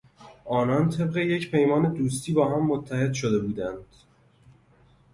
آنان طبق یک پیمان دوستی با هم متحد شده بودند.